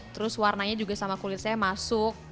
terus warnanya juga sama kulit saya masuk